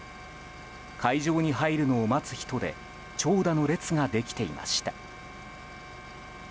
会場に入るのを待つ人で長蛇の列ができていました。